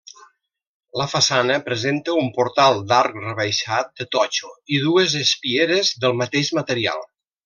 La façana presenta un portal d'arc rebaixat, de totxo, i dues espieres del mateix material.